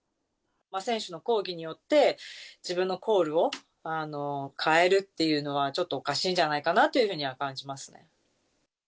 選手の抗議によって、自分のコールを変えるっていうのは、ちょっとおかしいんじゃないかなというふうには感じますね。